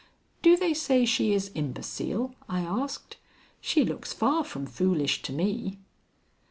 "Do they say she is imbecile?" I asked. "She looks far from foolish to me."